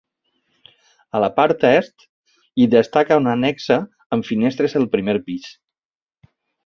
A la part est hi destaca una annexa amb finestres el primer pis.